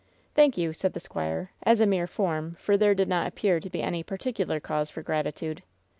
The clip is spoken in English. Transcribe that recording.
"Thank you," said the squire, as a mere form, for there did not appear to be any particular cause for grati tude.